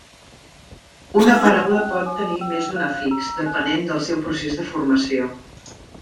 Una paraula pot tenir més d'un afix, depenent del seu procés de formació.